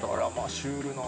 シュールな。